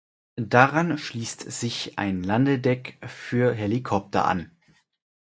Daran schließt sich ein Landedeck für Helikopter an.